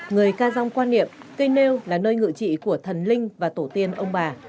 người ca giong quan niệm cây nêu là nơi ngự trị của thần linh và tổ tiên ông bà